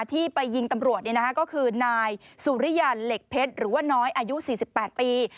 ที่ไปยิงตำรวจก็คือนายสุริยันเหล็กเพชรหรือว่าน้อยอายุ๔๘ปี